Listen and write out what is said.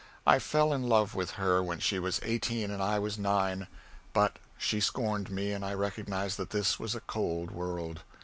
I fell in love with her when she was eighteen and I was nine, but she scorned me, and I recognized that this was a cold world.